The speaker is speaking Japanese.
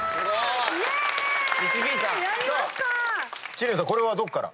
知念さんこれはどこから？